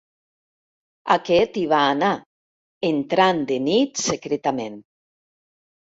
Aquest hi va anar, entrant de nit secretament.